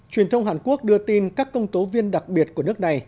truyền thông hàn quốc đưa tin các công tố viên đặc biệt của nước này